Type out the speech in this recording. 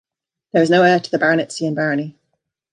There is no heir to the baronetcy and barony.